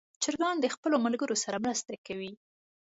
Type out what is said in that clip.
چرګان د خپلو ملګرو سره مرسته کوي.